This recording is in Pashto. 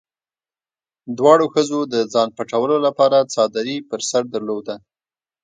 دواړو ښځو د ځان پټولو لپاره څادري په سر درلوده.